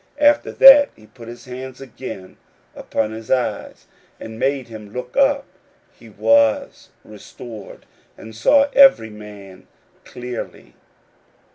41:008:025 After that he put his hands again upon his eyes, and made him look up: and he was restored, and saw every man clearly.